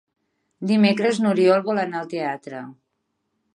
Dimecres n'Oriol vol anar al teatre.